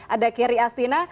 ada keri astina